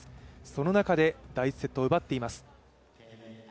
その中で第１セットを奪っています